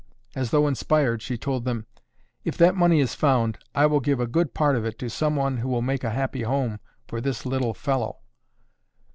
As though inspired, she told them, "If that money is found, I will give a good part of it to someone who will make a happy home for this little fellow."